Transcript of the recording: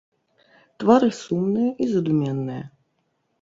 Твары сумныя і задуменныя.